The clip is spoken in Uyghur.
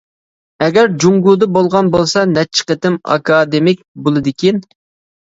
ئەگەر جۇڭگودا بولغان بولسا نەچچە قېتىم ئاكادېمىك بولىدىكىن.